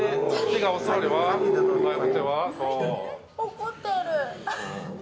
怒ってる！